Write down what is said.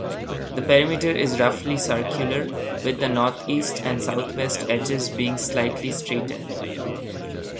The perimeter is roughly circular, with the northeast and southwest edges being slightly straightened.